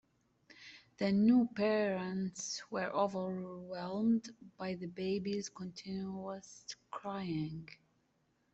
The new parents were overwhelmed by the babies continuous crying.